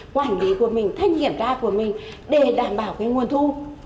quản lý của mình thanh kiểm tra của mình để đảm bảo cái nguồn thu